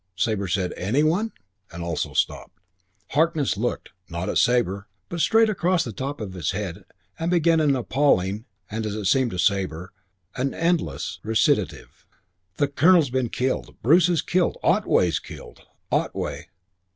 Sabre said, "Any one ?" and also stopped. Harkness looked, not at Sabre, but straight across the top of his head and began an appalling, and as it seemed to Sabre, an endless recitative. "The Colonel's killed. Bruce is killed. Otway's killed " "Otway...."